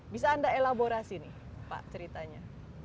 bisa anda elaborasi nih pak ceritanya